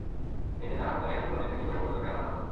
এতে তাঁর হাত-পায়ের আঙুল অনেকটা শিকড়ের মতো জটের আকার ধারণ করে।